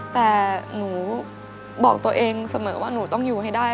แต่หนูบอกตัวเองเสมอว่าหนูต้องอยู่ให้ได้